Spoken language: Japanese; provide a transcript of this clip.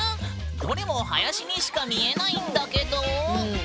どれも林にしか見えないんだけど。